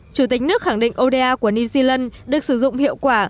chủ tịch nước khẳng định oda của new zealand được sử dụng hiệu quả